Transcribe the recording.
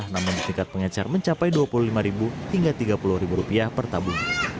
namun di tingkat pengecar mencapai rp dua puluh lima hingga rp tiga puluh per tabung